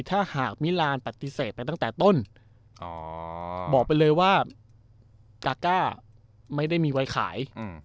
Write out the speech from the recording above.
ถ้าหากมิลานปฏิเสธไปตั้งแต่ต้นบอกไปเลยว่ากาก้าไม่ได้มีไว้ขาย